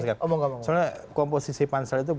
sebenarnya komposisi pansel itu